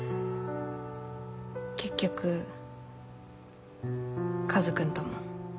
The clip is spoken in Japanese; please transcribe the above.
結局カズくんとも。